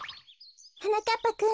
はなかっぱくん。